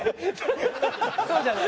そうじゃない？